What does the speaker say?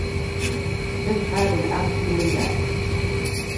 Just had an afternoon nap.